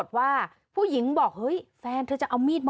ว่าผู้หญิงบอกเฮ้ยแฟนเธอจะเอามีดมา